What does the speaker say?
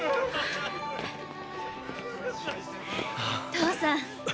父さん。